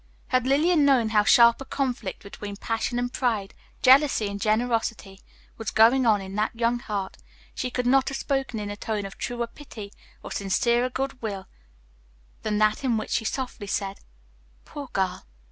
Had Lillian known how sharp a conflict between passion and pride, jealousy and generosity, was going on in that young heart, she could not have spoken in a tone of truer pity or sincerer goodwill than that in which she softly said, "Poor girl!